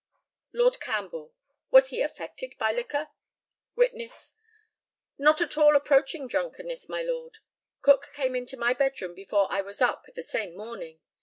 Lord CAMPBELL: Was he affected by liquor? Witness: Not at all approaching drunkenness, my lord. Cook came into my bedroom before I was up the same morning.